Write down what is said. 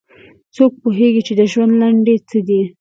څوک پوهیږي چې د ژوند لنډۍ څه ده